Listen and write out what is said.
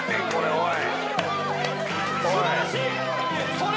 おい！